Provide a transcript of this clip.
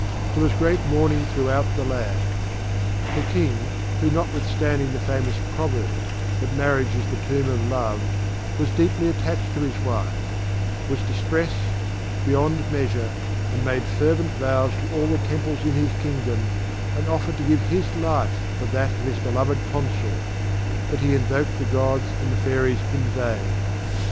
There was great mourning throughout the land. The King who, notwithstanding the famous proverb, that marriage is the tomb of love, was deeply attached to his wife, was distressed beyond measure and made fervent vows to all the temples in his kingdom, and offered to give his life for that of his beloved consort; but he invoked the gods and the Fairies in vain.